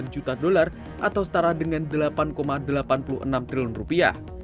enam ratus dua sembilan puluh sembilan juta dolar atau setara dengan delapan delapan puluh enam triliun rupiah